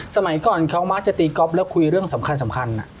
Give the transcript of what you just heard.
สมัยก่อนเขามักจะตีก๊อฟแล้วคุยเรื่องสำคัญ